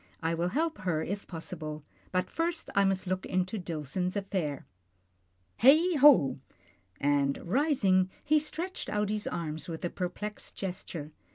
I will help her if possible, but first I must look into Dillson's affair. Heigho !" and rising, he stretched out his arms with a perplexed gesture.